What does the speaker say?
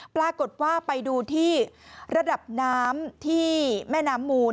ปรากฏว่าไปดูที่ระดับน้ำที่แม่น้ำมูล